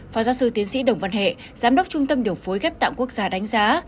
phó giáo sư tiến sĩ đồng văn hệ giám đốc trung tâm điều phối ghép tạng quốc gia đánh giá